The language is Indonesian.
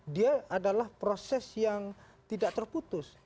dia adalah proses yang tidak terputus